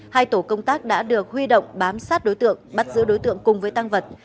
hai tổ công tác đã được huy động bám sát đối tượng bắt giữ đối tượng cùng với tăng vật